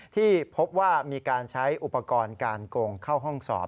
ที่พบว่ามีการใช้อุปกรณ์การโกงเข้าห้องสอบ